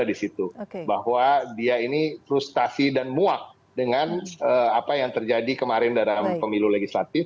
di situ bahwa dia ini frustasi dan muak dengan apa yang terjadi kemarin dalam pemilu legislatif